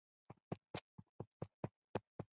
دا په تاریخ کې نادره پېښه ده